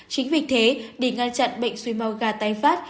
chính vì thế để ngăn chặn bệnh suy màu gà tái phát